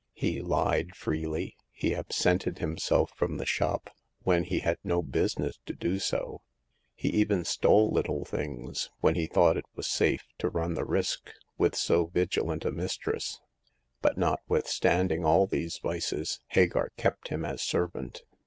He lied freely, he absented himself from the shop when he had no business to do so, he even stole little things, when he thought it was safe to run the risk with so vigi lant a mistress ; but, notwithstanding all these vices, Hagar kept him as servant.